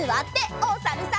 おさるさん。